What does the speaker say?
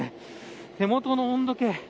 手元の温度計